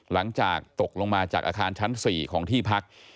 หลังจากตกลงมาจากอาคารชั้น๔ของที่พัก